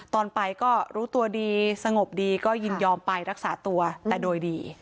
ตอนไปก็รู้ตัวดีสงบดีก็ยินยอมไปรักษาตัวแต่โดยดี